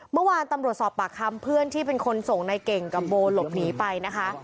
เมื่อวานตำรวจสอบปากคำเพื่อนที่เป็นคนส่งในเก่งกับโบหลบหนีไปนะคะ